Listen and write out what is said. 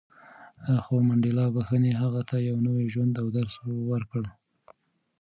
خو د منډېلا بښنې هغه ته یو نوی ژوند او درس ورکړ.